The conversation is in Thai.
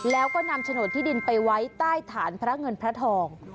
แล้วก็นำโฉนดที่ดินไปไว้ใต้ฐานพระเงินพระทอง